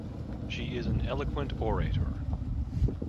She is an eloquent orator.